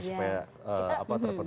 supaya apa terpenuhi